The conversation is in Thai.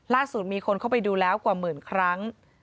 มีคนเข้าไปดูแล้วกว่าหมื่นครั้ง